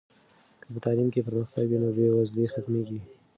که په تعلیم کې پرمختګ وي نو بې وزلي ختمېږي.